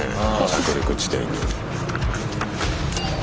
着陸地点に。